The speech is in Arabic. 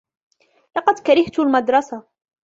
لقد كَرِهتُ المَدرَسَة.